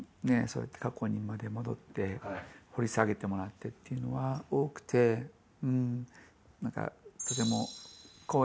そうやって過去にまで戻って掘り下げてもらってっていうのは多くてうん。